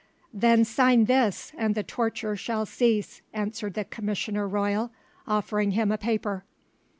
"Then sign this, and the torture shall cease," answered the commissioner royal, offering him a paper.